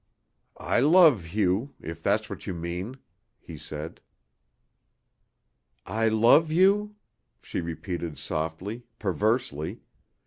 "I love Hugh if that's what you mean," he said. "I love you?" she repeated softly, perversely.